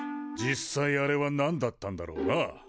実際あれはなんだったんだろうな。